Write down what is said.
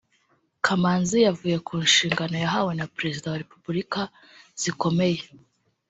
Kamanzi yavuze ko inshingano yahawe na Perezida wa Repuburika zikomeye